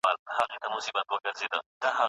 له یوې شوخې نه سترګک ومنه